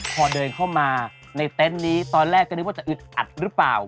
พอเดินเข้ามาในเต็นต์นี้ตอนแรกก็นึกว่าจะอึดอัดหรือเปล่า